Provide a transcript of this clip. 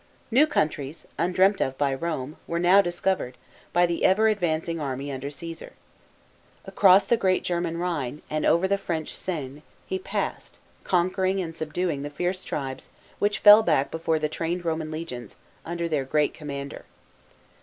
New countries, undreamt of by Rome, were now discovered, by the ever advancing army under Caesar. Across the great German Rhine, and over the French Seine, he passed, conquering und sub duing the fierce tribes, which fell back before the trained Roman legions, under their great com mander.